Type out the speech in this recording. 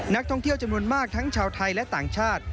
นักท่องเที่ยวจำนวนมากทั้งชาวไทยและต่างชาติ